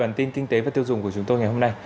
bản tin kinh tế và tiêu dùng của chúng tôi ngày hôm nay